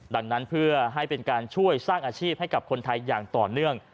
ดังนั้นเพื่อให้เป็นการช่วยสร้างอาชีพให้กับคนไทยอย่างต่อเนื่อง